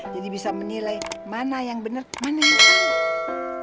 jadi bisa menilai mana yang bener mana yang salah